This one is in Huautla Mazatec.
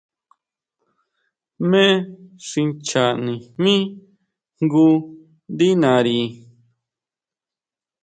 Jmé xi nchanijmí jngu ndí nari.